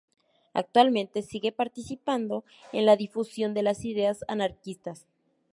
Actualmente sigue participando en la difusión de las ideas anarquistas.